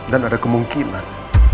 dan ada kemungkinan